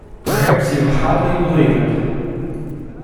Perhaps you will hardly believe it.